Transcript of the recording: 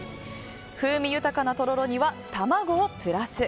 風味豊かなとろろには卵をプラス。